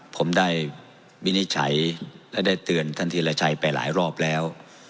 ผมได้วินิจฉัยและได้เตือนท่านธีรชัยไปหลายรอบแล้ว